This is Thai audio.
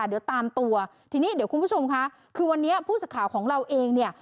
เดี๋ยวตามตัวทีนี้เดี๋ยวคุณผู้ชมค่ะคือวันนี้ผู้สื่อข่าวของเราเองเนี่ย